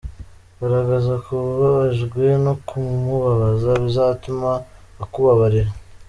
Garagaza ko ubabajwe no kumubabaza bizatuma akubabarira.